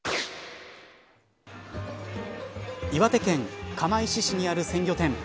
岩手県釜石市にある鮮魚店